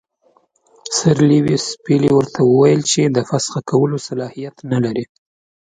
سر لیویس پیلي ورته وویل چې د فسخ کولو صلاحیت نه لري.